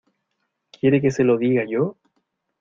¿ quiere que se lo diga yo?